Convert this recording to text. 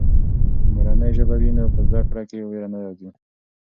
که مورنۍ ژبه وي نو په زده کړه کې وېره نه راځي.